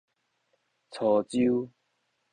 操舟